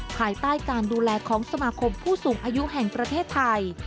ภายใต้การดูแลของสมาคมผู้สูงอายุแห่งประเทศไทย